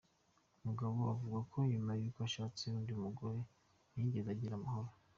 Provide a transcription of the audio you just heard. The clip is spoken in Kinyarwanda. Mugabo avuga ko nyuma y’uko ashatse undi mugore, ntiyigeze agira amahoro.